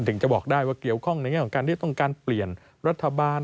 ถึงจะบอกได้ว่าเกี่ยวข้องในแง่ของการที่ต้องการเปลี่ยนรัฐบาล